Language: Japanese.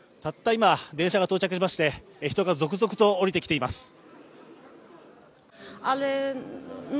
たった今、電車が到着しまして、人が続々と降りてきています。